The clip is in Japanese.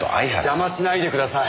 邪魔しないでください。